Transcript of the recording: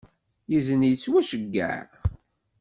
Izen yettwaceyyeɛ.